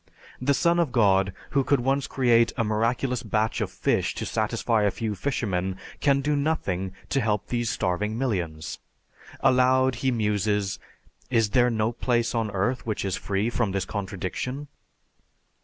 The Son of God who could once create a miraculous batch of fish to satisfy a few fishermen, can do nothing to help these starving millions! Aloud he muses, "Is there no place on Earth which is free from this contradiction?"